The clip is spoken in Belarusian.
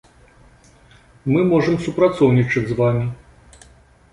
Мы можам супрацоўнічаць з вамі.